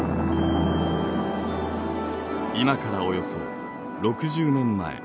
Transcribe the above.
今からおよそ６０年前。